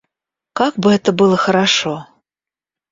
Как бы это было хорошо!